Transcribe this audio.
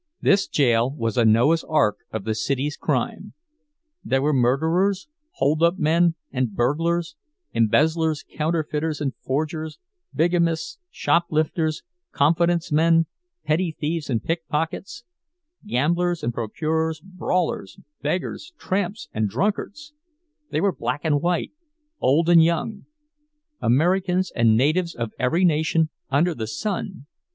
This jail was a Noah's ark of the city's crime—there were murderers, "hold up men" and burglars, embezzlers, counterfeiters and forgers, bigamists, "shoplifters," "confidence men," petty thieves and pickpockets, gamblers and procurers, brawlers, beggars, tramps and drunkards; they were black and white, old and young, Americans and natives of every nation under the sun.